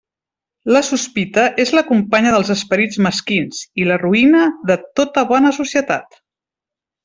La sospita és la companya dels esperits mesquins, i la ruïna de tota bona societat.